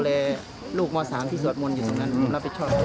แต่พูดไม่ได้ครับเหมือนอ่อนแรงนี่เฉยครับ